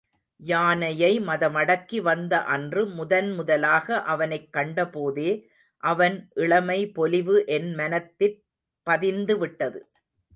யானையை மதமடக்கி வந்த அன்று, முதன் முதலாக அவனைக் கண்டபோதே, அவன் இளமைபொலிவு என் மனத்திற் பதிந்துவிட்டது.